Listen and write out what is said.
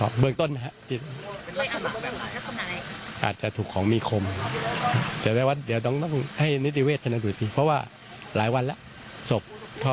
คือดูไม่ชัดเจนนะครับ